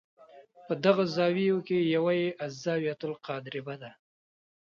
په دغو زاویو کې یوه یې الزاویة القادربه ده.